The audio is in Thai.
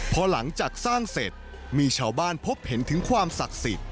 พอหลังจากสร้างเสร็จมีชาวบ้านพบเห็นถึงความศักดิ์สิทธิ์